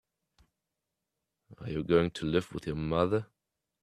Are you going to live with your mother?